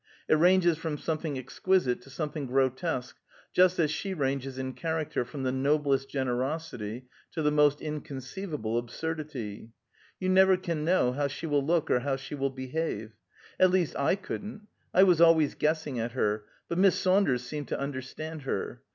It ranges from something exquisite to something grotesque; just as she ranges in character from the noblest generosity to the most inconceivable absurdity. You never can know how she will look or how she will behave. At least, I couldn't. I was always guessing at her; but Miss Saunders seemed to understand her.